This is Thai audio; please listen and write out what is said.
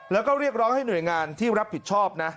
แล้วก็เรียกร้องให้หน่วยงานที่รับผิดชอบนะ